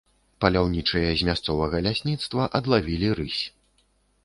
Паляўнічыя з мясцовага лясніцтва адлавілі рысь.